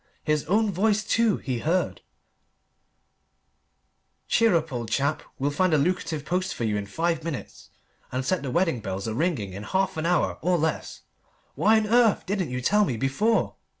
His own voice, too, he heard "Cheer up, old chap! We'll find a lucrative post for you in five minutes, and set the wedding bells a ringing in half an hour, or less! Why on earth didn't you tell me before?"